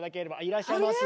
いらっしゃいます。